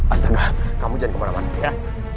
asalkah kamu jangan kemana mana ya